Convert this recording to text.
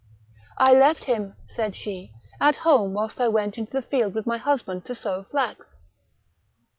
" I left him," said she, " at home whilst I went into the field with my husband to sow flax.